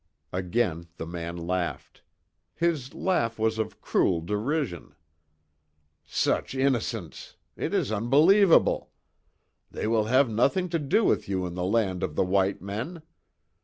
Again the man laughed, his laugh of cruel derision: "Such innocence! It is unbelievable! They will have nothing to do with you in the land of the white men.